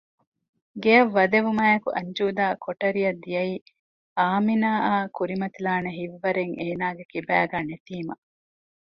ގެއަށް ވަދެވުމާއެކު އަންޖޫދާ ކޮޓަރިއަށް ދިއައީ އާމިނާއާ ކުރިމަތިލާނެ ހިތްވަރެއް އޭނާގެ ކިބައިގައި ނެތީމަ